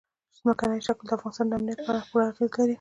ځمکنی شکل د افغانستان د امنیت په اړه هم پوره اغېز لري.